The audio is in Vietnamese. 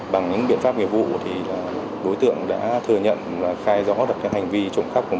bằng những biện pháp nghiệp vụ thì đối tượng đã thừa nhận và khai rõ được hành vi trụng khắc của mình